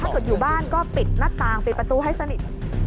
อยู่บ้านก็ปิดหน้าต่างปิดประตูให้สนิท